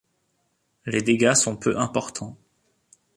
Les dégâts sont peu importants.